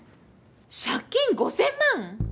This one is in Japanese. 借金５，０００万？